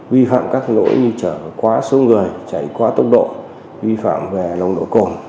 vi phạm các nỗi như chở quá số người chạy quá tốc độ vi phạm về lồng độ cồn